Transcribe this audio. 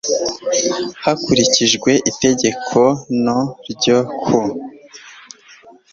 Hakurikijwe Itegeko no ryo ku